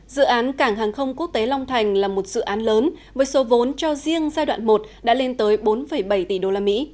dự án cảng hàng không quốc tế long thành là một dự án lớn với số vốn cho riêng giai đoạn một đã lên tới bốn bảy tỷ usd